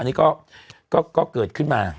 อันนี้ก็เกิดขึ้นมา